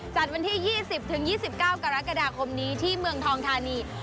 วันที่๒๐๒๙กรกฎาคมนี้ที่เมืองทองทานี